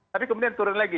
tapi kemudian turun lagi